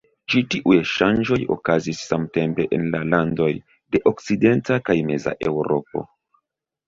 Ĉi tiuj ŝanĝoj okazis samtempe en la landoj de okcidenta kaj meza Eŭropo.